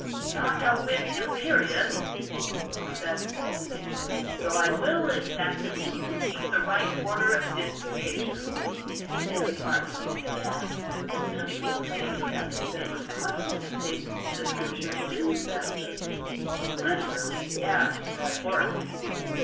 "Not a whit imperious," said Fulke angrily, "though I will exact of you to keep the right order of disputation." Then the argument began. It soon became plain to Anthony that it was possible to take the Scripture in two senses, literally and metaphorically.